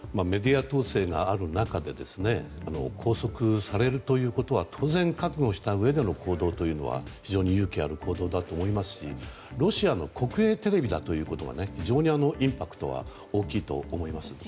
メディア統制がある中で拘束されるということは当然、覚悟したうえでの行動というのは勇気ある行動だと思いますしロシアの国営テレビだということが非常にインパクトが大きいと思います。